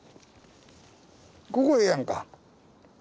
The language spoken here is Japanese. ここええやんか。